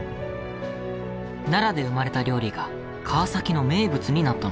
奈良で生まれた料理が川崎の名物になったのです。